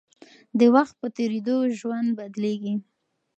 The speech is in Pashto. د وخت په تېرېدو ژوند بدلېږي.